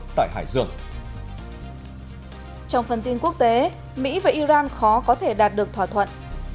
trong phần tin quốc tế mỹ và iran khó có thể đạt được thỏa thuận